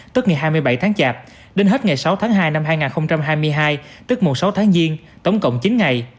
tức ngày hai mươi bảy tháng chạp đến hết ngày sáu tháng hai năm hai nghìn hai mươi hai tức mùng sáu tháng giêng tổng cộng chín ngày